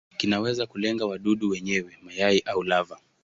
Kinaweza kulenga wadudu wenyewe, mayai au lava.